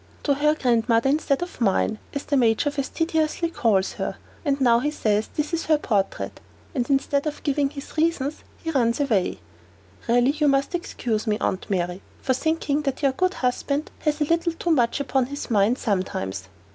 "To her grandmother instead of mine, as the Major facetiously calls her. And now he says this is her portrait; and instead of giving his reasons, runs away! Really you must excuse me, Aunt Mary, for thinking that your good husband has a little too much upon his mind sometimes."